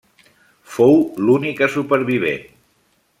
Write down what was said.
Fou l'única supervivent.